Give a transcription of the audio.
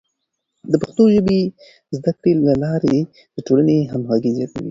د پښتو ژبې د زده کړې له لارې د ټولنې همغږي زیاتوي.